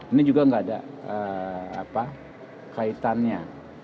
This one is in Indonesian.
ini juga nggak ada kaitannya